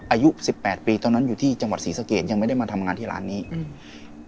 อายุสิบแปดปีตอนนั้นอยู่ที่จังหวัดศรีสะเกดยังไม่ได้มาทำงานที่ร้านนี้อืม